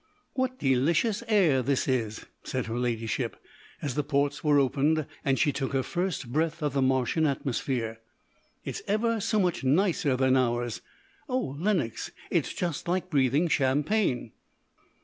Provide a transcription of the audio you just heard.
"What delicious air this is!" said her ladyship, as the ports were opened and she took her first breath of the Martian atmosphere. "It's ever so much nicer than ours. Oh, Lenox, it's just like breathing champagne."